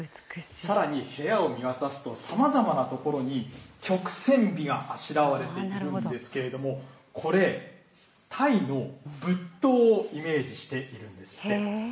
さらに部屋を見渡すと、さまざまな所に曲線美があしらわれているんですけれども、これ、タイの仏塔をイメージしているんですって。